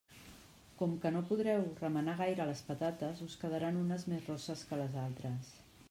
Com que no podreu remenar gaire les patates, us quedaran unes més rosses que les altres.